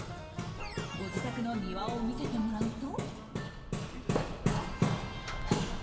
ご自宅の庭を見せてもらうと。